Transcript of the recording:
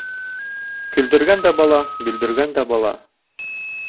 Көлдөргән дә бала, бөлдөргән дә бала.